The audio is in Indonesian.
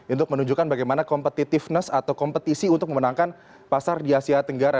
untuk menunjukkan bagaimana competitiveness atau kompetisi untuk memenangkan pasar di asia tenggara